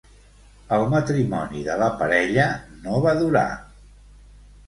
El matrimoni de la parella no va durar.